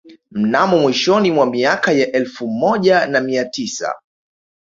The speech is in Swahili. Mnamo mwishoni mwa miaka ya elfu moja na mia tisa